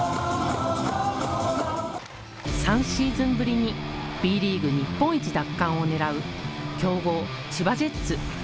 ３シーズンぶりにＢリーグ日本一奪還をねらう強豪、千葉ジェッツ。